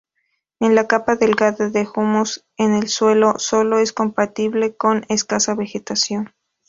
La capa delgada de humus en el suelo sólo es compatible con escasa vegetación.